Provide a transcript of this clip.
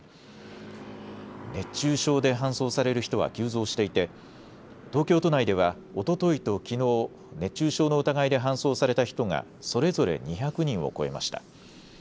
熱中症で搬送される人は急増していて東京都内ではおとといときのう熱中症の疑いで搬送された人がそれぞれ２００人を超えました。